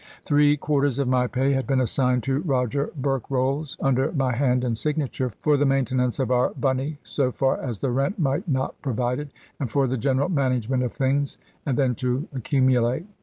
Three quarters of my pay had been assigned to Roger Berkrolles, under my hand and signature, for the maintenance of our Bunny (so far as the rent might not provide it), and for the general management of things, and then to accumulate.